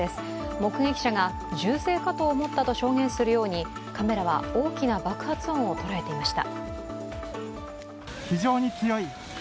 目撃者が銃声かと思ったと証言するようにカメラは大きな爆発音を捉えていました。